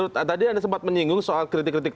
tadi anda sempat menyinggung soal kritik kritik